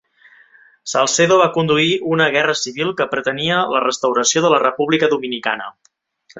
Salcedo va conduir una guerra civil que pretenia la restauració de la República Dominicana.